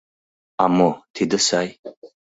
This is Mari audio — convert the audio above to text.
А мо, тиде сай.